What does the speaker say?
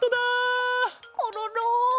コロロ。